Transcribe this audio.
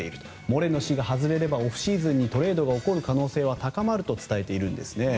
モレノ氏が外れればオフシーズンにトレードが起こる可能性は高まると伝えているんですね。